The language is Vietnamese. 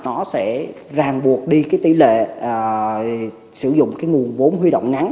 nó sẽ ràng buộc đi cái tỷ lệ sử dụng cái nguồn vốn huy động ngắn